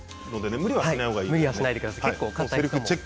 無理はしないでください。